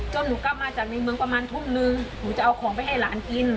หนูกลับมาจากในเมืองประมาณทุ่มนึงหนูจะเอาของไปให้หลานกิน